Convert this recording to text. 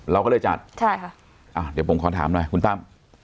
เราก็เลยจัดใช่ค่ะอ่าเดี๋ยวผมขอถามหน่อยคุณตั้ม